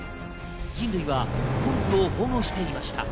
人類はコングを保護していました。